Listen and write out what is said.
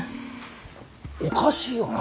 おかしいよな。